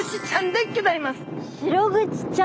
シログチちゃん？